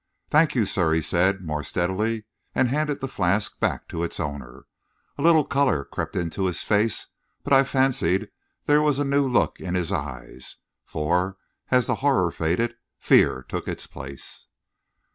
"Thank you, sir," he said, more steadily, and handed the flask back to its owner. A little colour crept into his face; but I fancied there was a new look in his eyes for, as the horror faded, fear took its place.